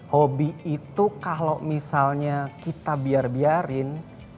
hobi itu kalau misalnya kita biar biarin